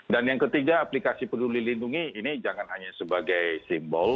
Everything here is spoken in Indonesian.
dan yang ketiga aplikasi peduli lindungi ini jangan hanya sebagai simbol